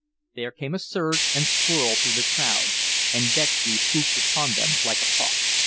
There came a surge and swirl through the crowd, and Dextry swooped upon them like a hawk.